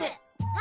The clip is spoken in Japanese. あ！